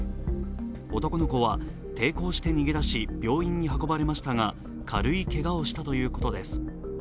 男の子は抵抗して逃げ出し、病院に運ばれましたが、軽いけがをしたということです。